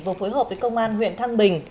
vừa phối hợp với công an huyện thăng bình